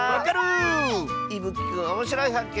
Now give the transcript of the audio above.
いぶきくんおもしろいはっけん